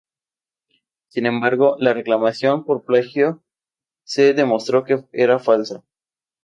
Sin embargo, la reclamación por plagio se demostró que era falsa.